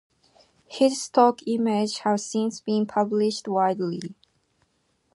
His stock images have since been published widely.